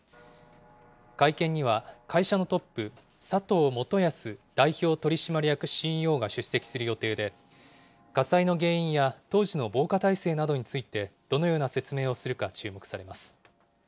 会見には、会社のトップ、佐藤元保代表取締役ＣＥＯが出席する予定で、火災の原因や当時の防火体制などについて、どのような説明をするか注目されます。